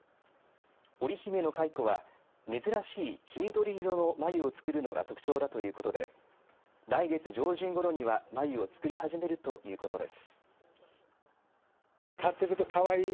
おりひめの蚕は珍しい黄緑色の繭を作るのが特徴だということで来月上旬ごろには繭を作り始めるということです。